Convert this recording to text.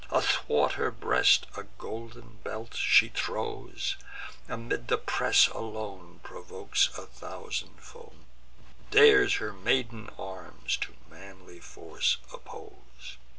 Athwart her breast a golden belt she throws, Amidst the press alone provokes a thousand foes, And dares her maiden arms to manly force oppose.